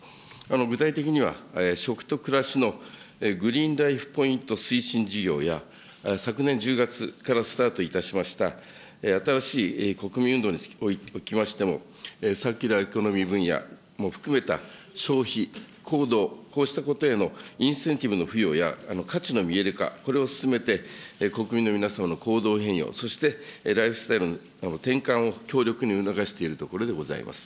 具体的には食と暮らしのグリーンライフポイント推進事業や、昨年１０月からスタートいたしました、新しい国民運動におきましてもサーキュラーエコノミー分野も含めた消費、行動、こうしたことへのインセンティブの付与や、価値の見える化、これを進めて、国民の皆様の行動変容、そしてライフスタイルの転換を強力に促しているところであります。